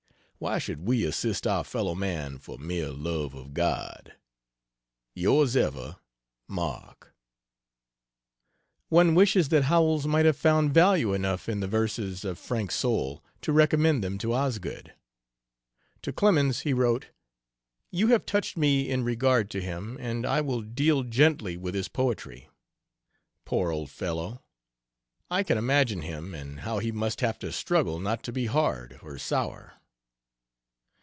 Why should we assist our fellowman for mere love of God? Yrs ever MARK. One wishes that Howells might have found value enough in the verses of Frank Soule to recommend them to Osgood. To Clemens he wrote: "You have touched me in regard to him, and I will deal gently with his poetry. Poor old fellow! I can imagine him, and how he must have to struggle not to be hard or sour."